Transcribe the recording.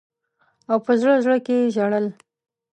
او په زړه زړه کي ژړل.